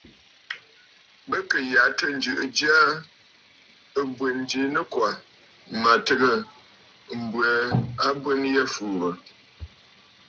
Bɨ kɨ̀ yàtə̂ ǹjɨ̀ʼɨ̀ ja ɨ̀bwèn ji nɨkwà, mə̀ tɨgə̀ m̀bwɛɛ abwen yî fùùrə̀.